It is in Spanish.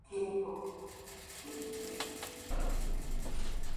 Más tarde se daría a ese "cuerpo" químico el nombre comercial de sacarina.